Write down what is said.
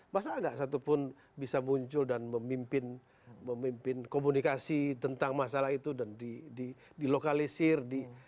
masa gak satu pun bisa muncul dan memimpin komunikasi tentang masalah itu dan dilokalisir